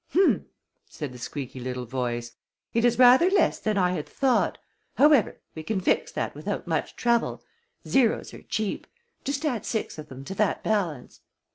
"H'm!" said the squeaky little voice. "It is rather less than I had thought. However, we can fix that without much trouble. Zeros are cheap. Just add six of them to that balance."